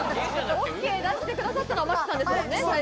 ＯＫしてくださったのは真木さんですよね。